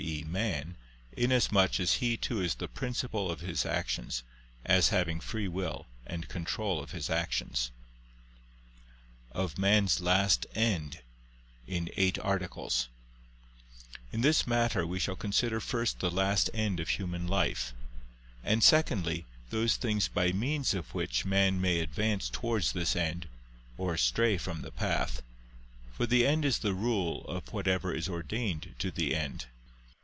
e. man, inasmuch as he too is the principle of his actions, as having free will and control of his actions. ________________________ OF MAN'S LAST END (In Eight Articles) In this matter we shall consider first the last end of human life; and secondly, those things by means of which man may advance towards this end, or stray from the path: for the end is the rule of whatever is ordained to the end.